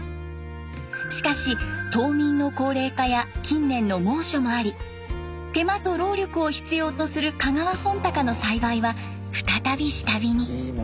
しかし島民の高齢化や近年の猛暑もあり手間と労力を必要とする香川本鷹の栽培は再び下火に。